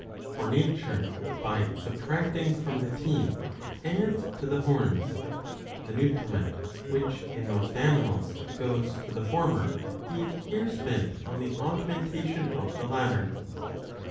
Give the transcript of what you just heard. '^ For nature by subtracting from the teeth adds to the horns ; the nutriment which in most animals goes to the former being here spent on the augmentation of the latter.